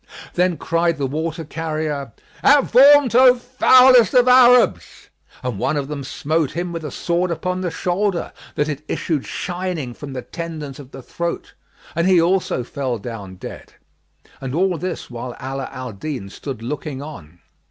Then cried the water carrier,[FN#48] "Avaunt, O foulest of Arabs!" and one of them smote him with a sword upon the shoulder, that it issued shining from the tendons of the throat, and he also fell down dead. (And all this while Ala Al Din stood looking on.)